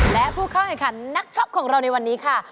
และผู้เข้าแข่งขันนักช็อปของเราในวันนี้ค่ะ